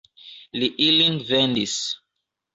Li ilin vendis.